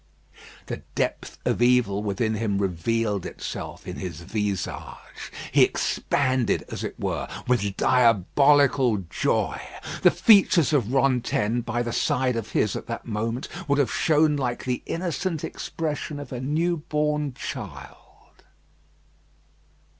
The depth of evil within him revealed itself in his visage. He expanded, as it were, with diabolical joy. The features of Rantaine by the side of his at that moment would have shown like the innocent expression of a new born child.